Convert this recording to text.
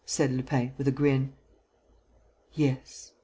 said Lupin, with a grin. "Yes.